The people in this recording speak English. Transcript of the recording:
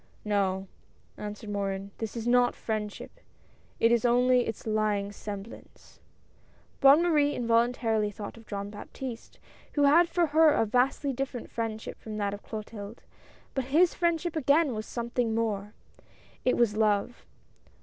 "No," answered Morin, "this is not friendship; it is only its lying semblance I " Bonne Marie involuntarily thought of Jean Baptiste, who had for her a vastly different friendship from that of Clotilde ; but his friendship, again, was something more ;— it was love.